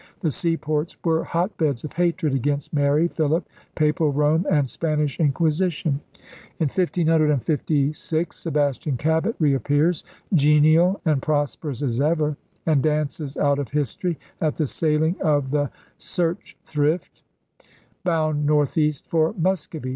The seaports were hotbeds of hatred against Mary, Philip, Papal Rome, and Spanish Inquisition. In 1556 Sebastian Cabot reappears, genial and prosperous as ever, and dances out of history at the sailing of the Serch thrift, bound northeast for Muscovy.